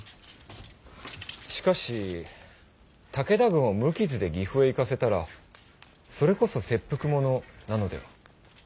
しかし武田軍を無傷で岐阜へ行かせたらそれこそ切腹ものなのでは？